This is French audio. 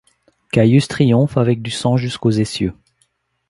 Caïus triomphe avec du sang jusqu'aux essieux ;